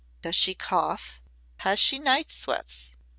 "Does she cough? Has she night sweats?